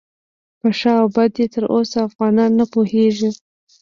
په ښه او بد یې تر اوسه افغانان نه پوهیږي.